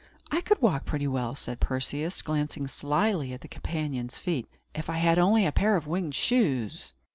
"I could walk pretty well," said Perseus, glancing slyly at his companion's feet, "if I had only a pair of winged shoes."